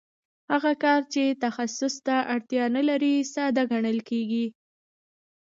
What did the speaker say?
هغه کار چې تخصص ته اړتیا نلري ساده ګڼل کېږي